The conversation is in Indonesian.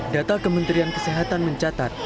data kementerian kesehatan mencatat